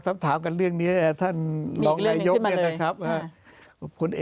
สำถามกันเรื่องนี้ท่านรองรายยกเนี่ยนะครับมีอีกเรื่องหนึ่งขึ้นมาเลย